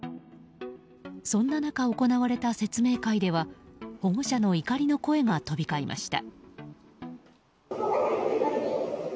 そんな中、行われた説明会では保護者の怒りの声が飛び交いました。